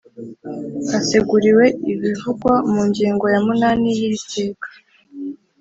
Haseguriwe ibivugwa mu ngingo ya munani y’ iri teka